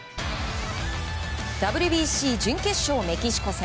ＷＢＣ準決勝メキシコ戦。